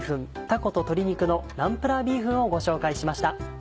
「たこと鶏肉のナンプラービーフン」をご紹介しました。